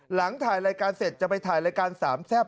หลังถ่ายรายการเสร็จจะไปถ่ายรายการสามแซ่บ